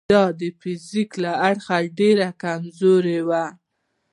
د فزیکي اړخه ډېر کمزوري وي.